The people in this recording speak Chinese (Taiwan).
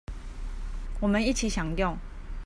我們一起享用